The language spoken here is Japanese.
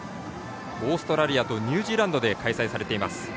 オーストラリアとニュージーランドで開催されています。